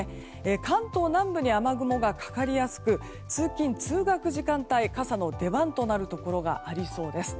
関東南部に雨雲がかかりやすく通勤・通学時間帯傘の出番となるところがありそうです。